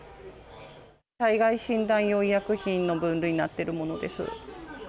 体外診断用医薬品の分類になってるものです。